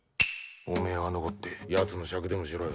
おめえは残ってやつの酌でもしろ。